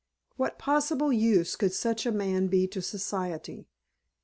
What possible use could such a man be to Society?